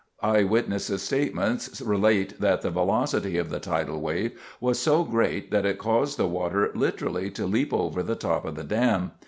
Eyewitness statements relate that the velocity of the tidal wave was so great that it caused the water literally to leap over the top of the dam.